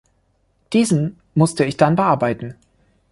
Diesen musste ich dann bearbeiten.